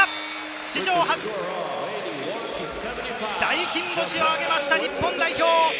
史上初、大金星を挙げました日本代表。